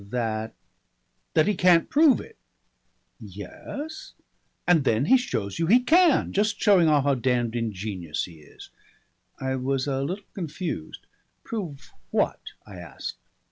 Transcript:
"That ?" "That he can't prove it." "Yes?" "And then he shows you he can. Just showing off how damned ingenious he is." I was a little confused. "Prove what?" I asked.